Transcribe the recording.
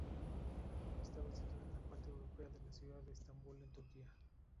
Estaba situado en la parte europea de la ciudad de Estambul en Turquía.